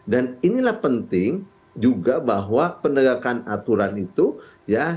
dan inilah penting juga bahwa penegakan aturan itu ya